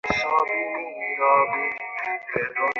অনেকে আবার অপ্রকৃতিস্থ হইয়া আত্মহত্যা করে।